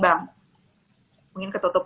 bang mungkin ketutup